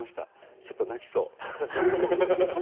ちょっと泣きそう。